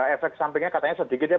efek sampingnya katanya sedikit ya